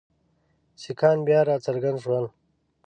سیکهان بیا را څرګند شول.